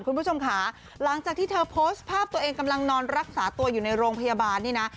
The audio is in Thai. คุณผู้ชมค่ะหลังจากที่เธอโพสต์ภาพตัวเองกำลังนอนรักษาตัวอยู่ในโรงพยาบาลนี่นะ